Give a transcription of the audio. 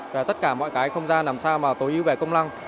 về tất cả mọi cái không gian làm sao mà tối ưu về công năng